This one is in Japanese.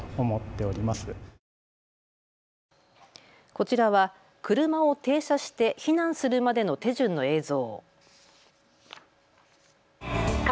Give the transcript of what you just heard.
こちらは車を停車して避難するまでの手順の映像。